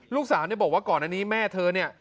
ลูกสาวเนี่ยบอกว่าก่อนอันนี้แม่เธอเนี่ย